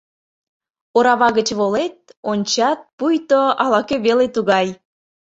Орава гыч волет, ончат: пуйто ала-кӧ веле тугай.